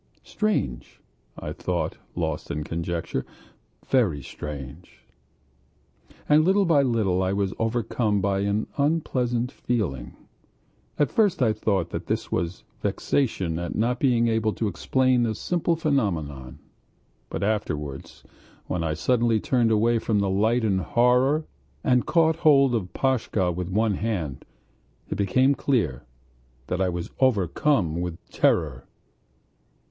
"Strange," I thought, lost in conjecture. "Very strange." And little by little I was overcome by an unpleasant feeling. At first I thought that this was vexation at not being able to explain a simple phenomenon; but afterwards, when I suddenly turned away from the light in horror and caught hold of Pashka with one hand, it became clear that I was overcome with terror....